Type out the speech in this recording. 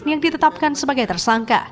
yang ditetapkan sebagai tersangka